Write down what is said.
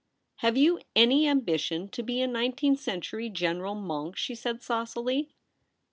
' Have you any ambition to be a nineteenth century General Monk ?' she said saucily.